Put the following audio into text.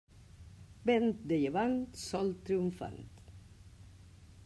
Vent de llevant, sol triomfant.